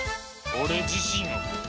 俺自身を！